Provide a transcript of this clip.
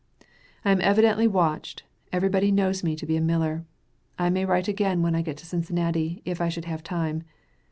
I am evidently watched; everybody knows me to be a miller. I may write again when I get to Cincinnati, if I should have time.